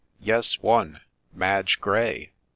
Yes, one !— Madge Gray